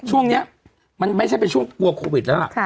ช่วงนี้มันไม่ใช่เป็นช่วงกลัวโควิดแล้วล่ะ